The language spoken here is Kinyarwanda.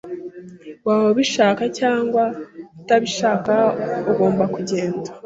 Waba ubishaka cyangwa utabishaka, ugomba kugenda.